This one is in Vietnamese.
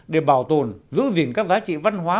để bảo tồn giữ gìn các giá trị văn hóa